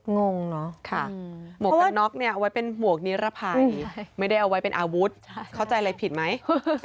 งงเนอะค่ะหมวกกันน็อกเนี่ยเอาไว้เป็นหมวกนิรภัยไม่ได้เอาไว้เป็นอาวุธเข้าใจอะไรผิดไหม